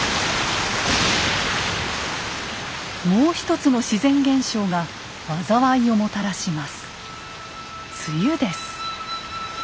もう一つの自然現象が災いをもたらします。